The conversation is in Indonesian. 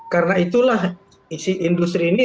karena itulah industri ini